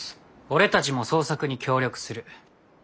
俺たちも捜索に協力する。